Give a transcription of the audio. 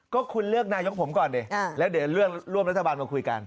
ก็คุณเลือกนายกผมก่อนดิแล้วเดี๋ยวเลือกร่วมรัฐบาลมาคุยกัน